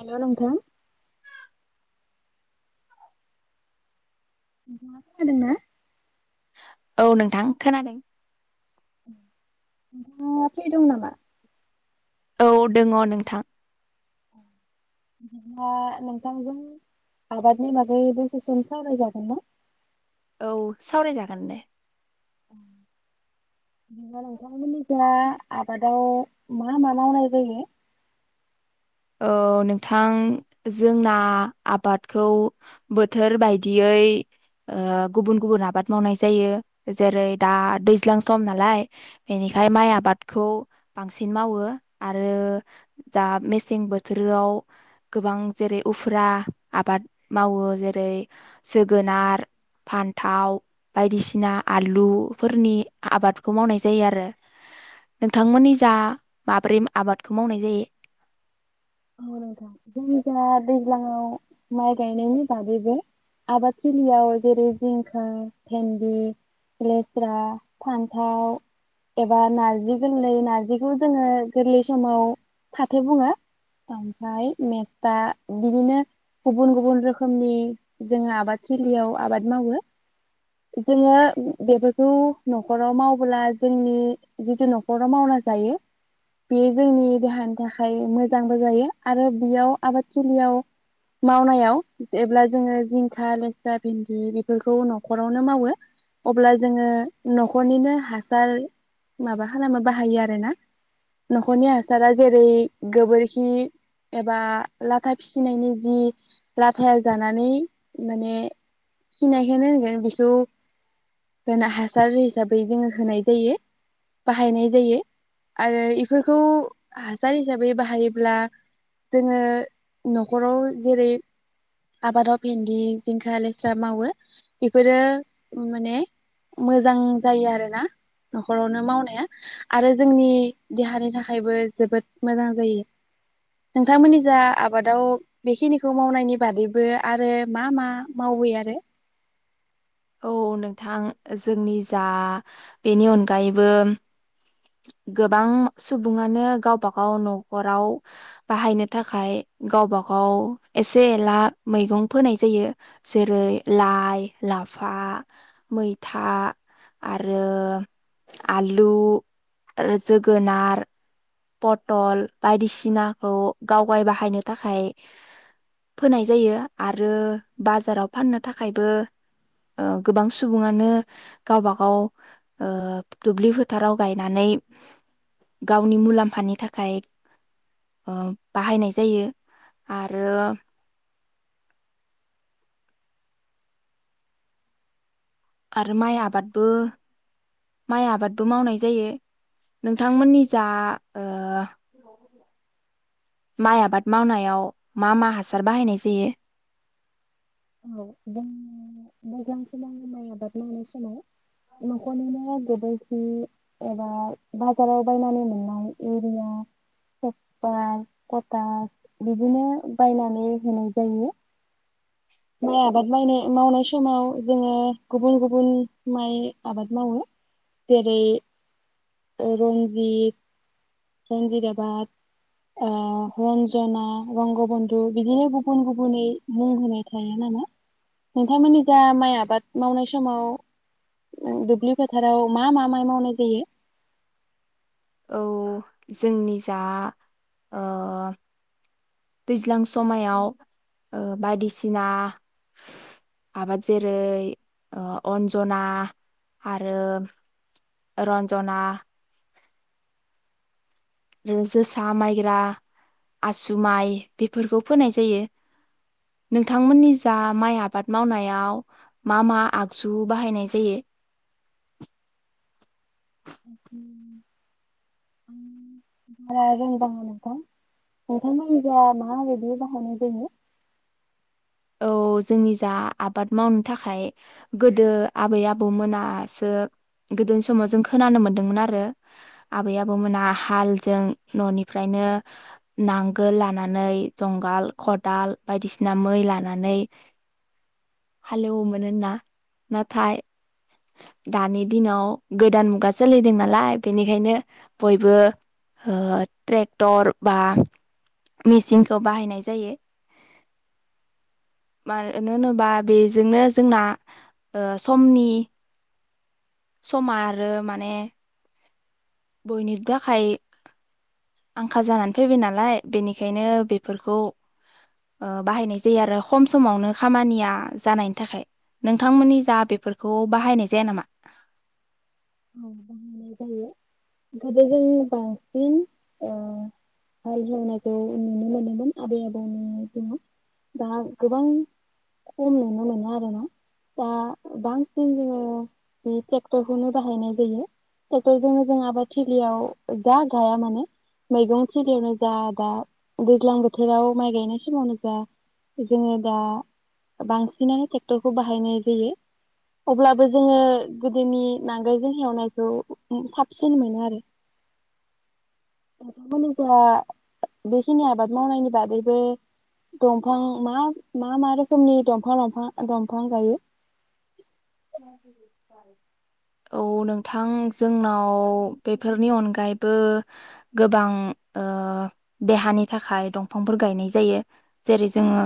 हेलोम नोंथां [inaudible] नोंथांङा खोनादोंना? औ नोंथां खोनादों। नोंथांङा फ्रि दं नामा? औ दोंङ नोंथां। दिब्ला नोंथांजों आबादनि बागै दसे सम सावरायजागोन ना? औ सावरायजागोन दे। अ बिदिबा नोंथां मोननि जा आबादाव मा मा मावनाय जायो? औ नोंथां जोंना आबादखौ बोथोर बायदियै ओ गुबुन गुबुन आबाद मावनाय जायो। जेरै दा दैज्लां सम नालाय बेनिखाय माइ आबादखौ बांसिन मावो आरो दा मे मसें बोथोराव गोबां जेरै उफुरा आबाद मावो जेरै जोगोनार, फान्थाव बायदिसिना आलुफोरनि आबादखौ मावनाय जायो आरो, नोंथांमोननि जा माब्रै आबादखौ मावनाय जायो? गौ नोंथां जोंनिजा दै ज्लांङाव माइ गायनायनि बागैबो आबाद थिलियाव जेरै जिंखा, फेन्दि, लेस्रा, फान्थाव एबा नार्जि गोरलै नार्जिखौ जोंङो गोरलै समाव फाथो बुंङो। ओमफ्राय मेस्था बिदिनो गुबुन गुबुन रोखोमनि जोङो आबादथिलियाव आबाद मावो। जोङो बेफोरखौ नखराव मावब्ला जोंनि जिथु नखराव मावना जायो बेयो जोंनि देहानि थाखाय मोजां बो जायो। आरो बेयाव आबादथिलियाव मावनायाव जेब्ला जिंखा, लेस्रा, भिन्दि बिसोरखौ नखरावनो मावो अब्ला जोङो नखरनिनो हासार माबा खालामो बाहायो आरोना। नखरनि हासारा जेरै गोबोर खि एबा लाथा फिसिनायनि जि लाथाया जानानै माने खिनायखौनो होनगोन बेखौ हासार हिसाबै जोङो होनाय जायो बाहायनाय जायो आरो बेफोरखौ हासार हिसाबै बाहाय ब्ला जोङो नखराव जेरै आबादाव भेन्दि जिंखा लेस्रा मावो बेफोरो माने मोजां जायो आरोना नखरावनो मावनाया आरो जोंनि देहानि थाखायबो जोबोद मोजां जायो। नोंथांमोननि जा आबादाव बेखिनिखौ मावनायनि बादैबो आरो मा मा मावो आरो? औ नोंथां जोंनि जा बेनि अनगायैबो गोबां सुबुङानो गावबा गाव नखराव बाहायनो थाखाय गावबा गाव एसे एला मैगं फोनाय जायो। जेरै लाइ, लाफा, मैथा आरो आलु आरो जोगोनार पटल बायदिसिनाखौ गावगाय बाहायनो थाखाय फोनाय जायो। आरो बाजाराव फाननो थाखायबो ओ गोबां सुबुङानो गावबागाव ओ दुब्लि फोथाराव गायनानै गावनि मुलाम्फा फानि थाखाय ओ बाहायनाय जायो आरो आरो माइ आबादबो माइ आबादबो मावनाय जायो। नोंथांमोननि जा ओ माइ आबाद मावनायाव मा मा हासार बाहायनाय जायो? औ जोंनि दैज्लां समाव माइ आबाद मावनाय समाव न'खरनिनो गोबोरखि एबा बाजाराव बायनानै मोननाय इउरिया, पपार, कटास बिदिनो बायनानै होनाय जायो। माइ आबाद मायनाय मावनाय समाव जोङो गुबुन गुबुन माइ आबाद मावो जेरै रन्जित रन्जित आबाद रन्जना रंगबन्धु बिदिनो गुबुन गुबुनै मुं होनाय थाया नामा नोंथांमोननि जा माइ आबाद मावनाय समाव ओ दुब्लि फोथाराव मा मा माइ मावनाय जायो? औ जोंनि जा ओ दैज्लां समायाव ओ बायदिसिना आबाद जेरै अन्जना आरो रन्जना उम जोसा माइग्रा आसु माइ बेफोरखौ फोनाय जायो। नोंथांमोननि जा माइ आबाद मावनायाव मा मा आगजु बाहायनाय जायो? बारा रोंबाङा नोंथां नोंथांमोननि माबायदि बाहायनाय जायो? औ जोंनि जा आबाद मावनो थाखाय गोदो आबै आबौ मोनासो गोदोनि समाव जों खोनानो मोनदोंमोन आरो आबै आबौमोना हालजों न'निफ्रायनो नांगोल लानानै जंगाल खदाल बायदिसिना मै लानानै नानै हालेवोमोन होनना। नाथाय दानि दिनाव गोदान मुगा सोलिदों नालाय बेनिखायनो बयबो ओ ट्रेक्टर बा मेसिनखौ बाहायनाय जायो। मानो होनोबा बेजोंनो जोंना ओ समनि समा आरो माने बयनिबो थाखाय आंखाल जानानै फैबाय नालाय बेनिखायनो बेफोरखौ ओ बाहायनाय जायो आरो खम समावनो खामानिया जानायनि थाखाय। नोंथांमोननि जा बेफोरखौ बाहायनाय जाया नामा? औ बाहायनाय जायो। ओंखायनो जों बांसिन हाल एवनायखौ नुनो मोनोमोन। आबै आबौनि दिनाव दा गोबां खम नुनो मोनो आरो ना दा बांसिन जोङो बे ट्रेक्टरखौनो बाहनाय जायो ट्रेक्टरजोंनो जों आबाद थिलियाव जा गाया मानो मैगं थिलियावनो जा दा दैज्लां बोथोराव माइ गायनाय समावनो जा जोङो दा बांसिनानो ट्रेक्टरखौ बाहायनाय जायो। अब्लाबो जोङो गोदोनि नांगालजों हेवनायखौ साबसिन मोनो आरो। नोंथांमोननि जा बेखिनि आबाद मावनायनि बादैबो दंफां मा मा मा रोखोमनि दंफां लाफां दंफां गायो? औ नोंथां जोंनाव बेफोरनि अनगायैबो गोबां ओ देहानि थाखाय दंफांफोर गायनाय जायो। जेरै जोङो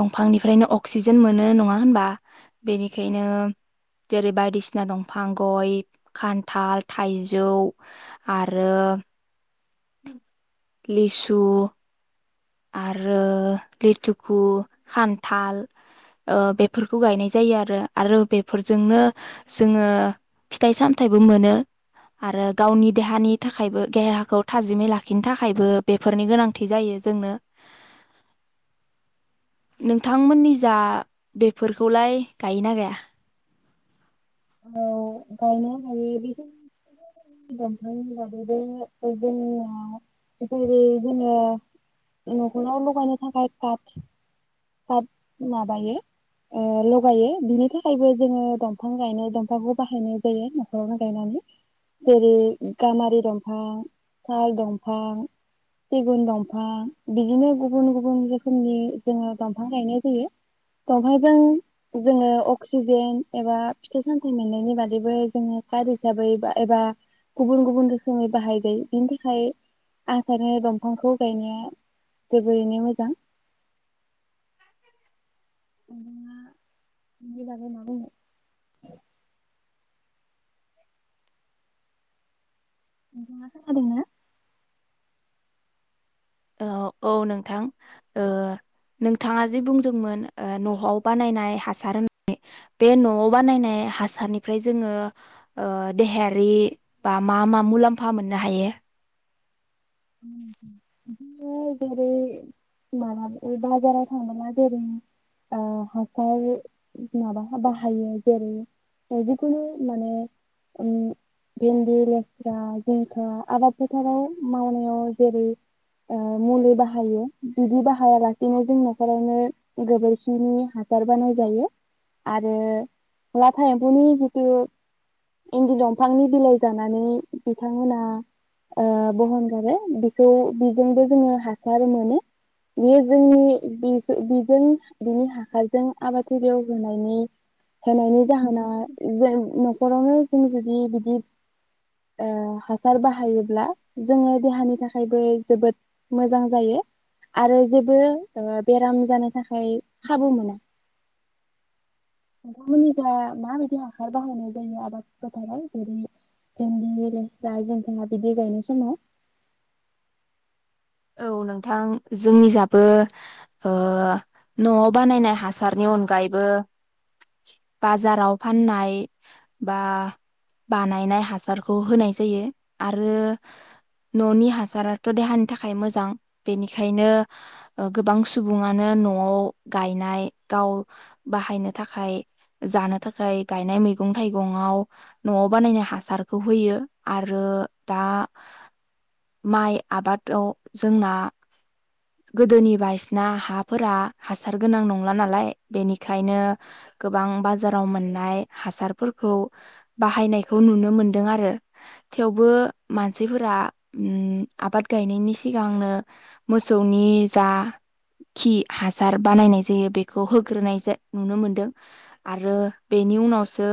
दंफांनिफ्रायनो अक्सिजेन मोनो नङा होनबा? बेनिखायनो जेरै बायदिसिना दंफां गय, खान्थाल, थाइजौ आरो लिसु आरो लिथुखु खान्थाल ओ बेफोरखौ गायनाय जायो आरो। आरो बेफोरजोंनो जोङो फिथाइ सामथायाइबो मोनो आरो गावनि देहानि थाखायबो देहाखौ थाजिमै लाखिनो थाखायबो बेफोरनि गोनांथि जायो जोंनो। नोंथांमोननि जा बेफोरखौलाय गायोना गाया? औ गायनो हायो बि दंफां [unintelligible] जेरै जोङो न'खराव लगायनो थाखाय पाट पाट माबायो ओ लगायो बिनि थाखायबो जोङो दंफां गायनो दंफांखौ बाहायनाय जायो न'ख'रावनो गायनानै जेरै गामबारि दंफां, साल दंफां, सिगुन दंफां बिदिनो गुबुन गुबुन रोखोमनि जोङो दंफां गायनाय जायो दंफांजों जोङो अक्सिजेन एबा फिथाइ सामथाइ मोननायनि बादैबो जोङो कार हिसाबै एबा गुबुन गुबुन रोखोमै बाहाय‌‌ जायो बिनि थाखाय आं सानो दंफांखौ गायनाया जोबोरैनो मोजां। नोंथाङा बेनि बागै मा बुंनो? नोंथाङा खोनादों ना? ओ औ नोंथां नोंथाङा जि बुंदोंमोन न'आव बानायनाय हासार होननानै बे न'आव बानायनाय हासारनिफ्राय जोङो देहायारि बा मा मा मुलाम्फा मोननो हायो? बिदिनो जेरै मालाबा बाजाराव थांबा जेरै हासार माबा बाहायो जेरै जिखुनु माने ओ भेन्दि लेस्रा जिंखा आबाद फोथाराव मावनाय ओ जेरै ओ मुलि बाहायो बिदि बाहाया लासेनो जों न'खरावनो गोबोरखिनि हासार बानायजायो आरो लाथा एम्फौनि जिथु इन्दि दंफांनि बिलाइ जानानै बिथांमोना ओ बहनगारो बेखौ बिजोंबो जोङो हासार मोनो। बेयो जोंनि बेखौ बिजों बिनि हासारजों आबादथिलियाव होनायनि होनायनि जाहोना जों न'खरावनो जों जुदि बिदि ओ हासार बाहायोब्ला जोङो देहानि नि थाखायबो जोबोद मोजां जायो। आरो जेबो बेराम जानो थाखाय खाबु मोना। नोंथांमोननि दा माबायदि हासार बाहायनाय जायो आबाद फोथाराव जेरै भेन्दि, लेस्रा, जिंखा बिदि गायनाय समाव? औ नोंथां जोंनि जाबो ओ न'आव बानायनाय हासारनि अनगायैबो बाजाराव फाननाय बा बानायनाय हासारखौ होनाय जायो। आरो न'नि हासाराथ' देहानि नि थाखाय मोजां। बेनिखायनो गोबां सुबुङानो न'आव गायनाय गाव बाहायनो थाखाय जानो थाखाय गायनाय मैगं थाइगं थाइगं आव न'आव बानायनाय हासारखौ होयो आरो दा माइ आबाद औ जोंना गोदोनि बायदिसिना हाफोरा हासार गोनां नंला नालाय बेनिखायनो गोबां बाजाराव मोननाय हासारफोरखौ बाहायनायखौ नुनो मोनदों आरो थेवबो मानसिफोरा उम आबाद गायनायनि सिगांनो मोसौनि जा खि हासार बानायनाय जायो बेखौ होग्रोनाय नुनो मोनदों आरो बेनि उनावसो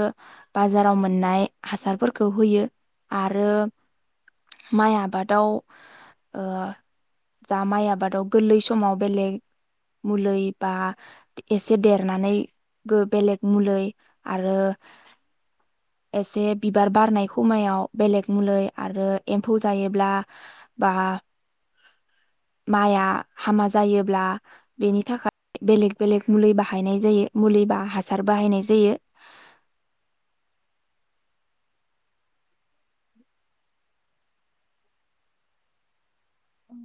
बाजाराव मोननाय हासारफोरखौ होयो आरो माइ आबादाव ओ जा माइ आबादाव गोरलै समाव बेलेग मुलै बा एसे देरनानैबो बेलेग मुलै आरो एसे बिबार बारनाय खमायाव बेलेग मुलै आरो एम्फौ जायोब्ला बा माइआ हामा जायोब्ला बेनि थाखाय बेलेग बेलेग मुलि बाहायनाय जायो मुलि बा हासार बाहायनाय जायो। उ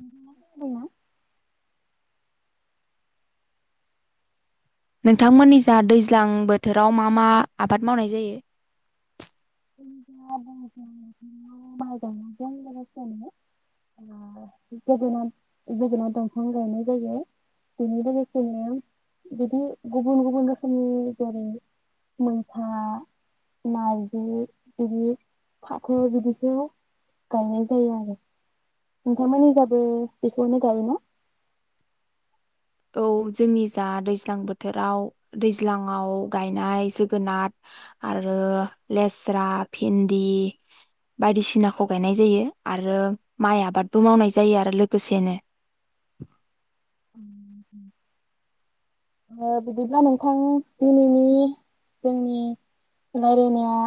नोंथाङा खोनादों ना? नोंथांमोननि जा दैज्लां बोथोराव मा मा आबाद मावनाय जायो? [inaudible] माइ गायनायजों लोगोसेनो ओ जोगोनार जोगोनार दंफां गायनाय जायो बेनि लोगोसेनो बिदि गुबुन गुबुन रोखोमनि जेरै मैथा, माइ बे बिदि फाथो बिदिखौ गायनाय जायो आरो। नोंथांमोननि जाबो बेखौनो गायो ना? औ जोंनि जा दैज्लां बोथोराव दैज्लाङाव गायनाय जोगोनाथ आरो लेस्रा, भिन्दि बायदिसिनाखौ गायनाय जायो आरो माइ आबादबो मावनाय जायो आरो लोगोसेनो। ओ बिदिब्ला नोंथां दिनैनि जोंनि रायलायनाया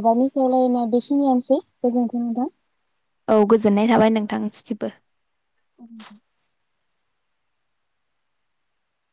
आबादनि सायाव रायलायनाया बेखिनियानोसै गोजोन्थों नोंथां। औ गोजोननाय थाबाय नोंथां सिबो। लांदां